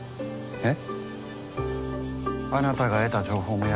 えっ？